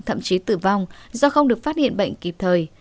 nhiều trẻ tuổi tử vong do không được phát hiện bệnh kịp thời